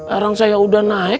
orang saya udah naik